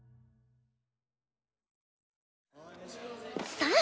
さあ！